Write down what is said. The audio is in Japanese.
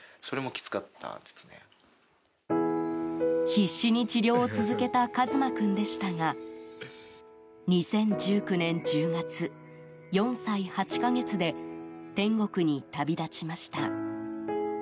必死に治療を続けた一馬君でしたが２０１９年１０月、４歳８か月で天国に旅立ちました。